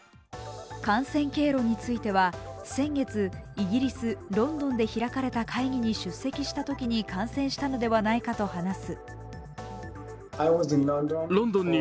感染経路については先月、イギリス・ロンドンで開催された会議に出席したときに感染したのではないかと話す。